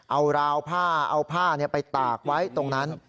เอาราวผ้าเอาผ้าไปตากไว้ตรงนั้น